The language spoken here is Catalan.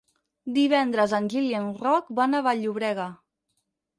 Divendres en Gil i en Roc van a Vall-llobrega.